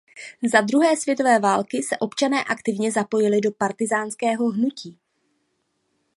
Za druhé světové války se občané aktivně zapojili do partyzánského hnutí.